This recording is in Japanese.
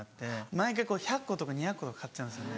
毎回１００個とか２００個買っちゃうんですよね。